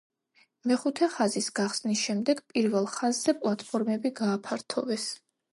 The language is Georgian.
მეხუთე ხაზის გახსნის შემდეგ პირველ ხაზზე პლატფორმები გააფართოვეს.